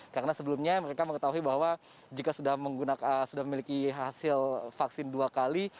karena sebelumnya mereka mengetahui bahwa jika sudah memiliki hasil vaksin dua kali